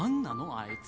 あいつ